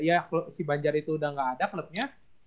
iya si banjir itu sudah tidak ada klubnya